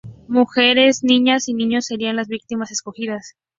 Mujeres, niñas y niños serían las víctimas escogidas.